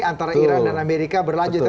antara iran dan amerika berlanjut ya